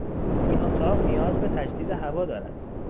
این اتاق نیاز به تجدید هوا دارد.